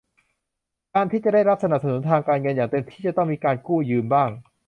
การที่จะได้รับการสนับสนุนทางการเงินอย่างเต็มที่ จะต้องมีการกู้ยืมบ้าง